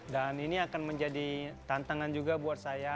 dan ini akan menjadi tantangan juga buat saya